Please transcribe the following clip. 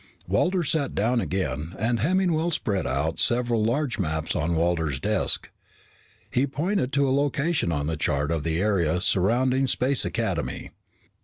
Walters sat down again and Hemmingwell spread out several large maps on Walters' desk. He pointed to a location on the chart of the area surrounding Space Academy.